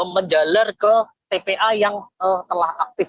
menjalar ke tpa yang telah aktif